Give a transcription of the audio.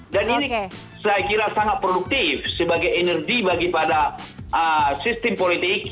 dan ini saya kira sangat produktif sebagai energi bagi pada sistem politik